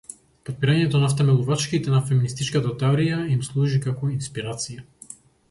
Потпирањето на втемелувачките на феминистичката теорија им служи како инспирација.